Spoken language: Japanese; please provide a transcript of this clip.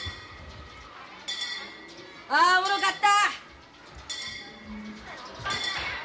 ああおもろかった！